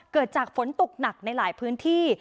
เกิดจากฝนตกหนักในหลายพื้นที่